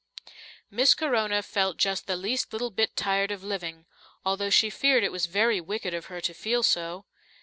Miss Corona felt just the least little bit tired of living, although she feared it was very wicked of her to feel so.